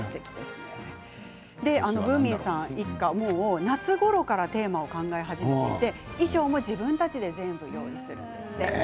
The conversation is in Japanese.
ぶーみんさん一家は夏ごろからテーマを考えて衣装も自分たちで全部、用意しているそうです。